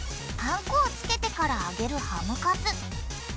パン粉をつけてから揚げるハムカツ。